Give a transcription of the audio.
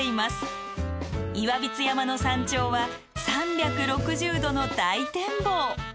岩櫃山の山頂は３６０度の大展望。